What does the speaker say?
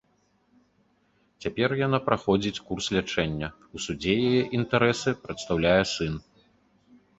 Цяпер яна праходзіць курс лячэння, у судзе яе інтарэсы прадстаўляе сын.